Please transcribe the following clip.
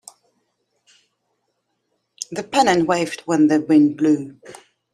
The pennant waved when the wind blew.